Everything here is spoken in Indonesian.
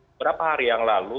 beberapa hari yang lalu